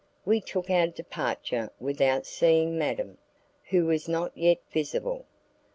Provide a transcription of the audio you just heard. We took our departure without seeing madam, who was not yet visible.